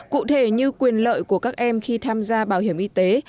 cụ thể như quyền lợi của các em khi tham gia bảo hiểm y tế